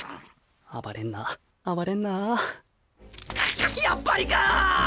暴れんな暴れんなやっぱりかっ。